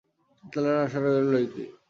তাহলে আর আশা করার রইল কী?